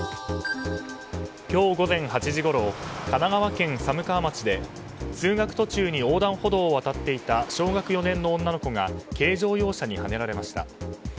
今日午前８時ごろ神奈川県寒川町で通学途中に横断歩道を渡っていた小学４年の女の子が軽乗用車にはねられました。